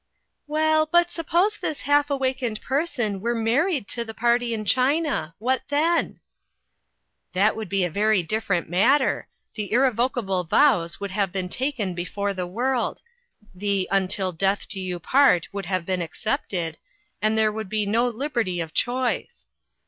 " Well, but suppose this half awakened per son were married to the party in China what then?" " That would be a very different matter. The irrevocable vows would have been taken before the world ; the ' until death do you NEW LINES OF. WORK. 337 part ' would have been accepted, and there would be no liberty of choice."